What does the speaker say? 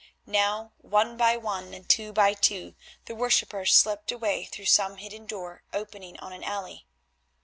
Now, one by one and two by two, the worshippers slipped away through some hidden door opening on an alley.